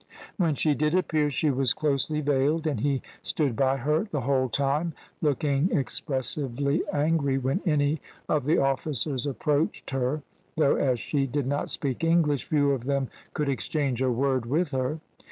When she did appear she was closely veiled, and he stood by her the whole time, looking expressively angry when any of the officers approached her, though as she did not speak English, few of them could exchange a word with her.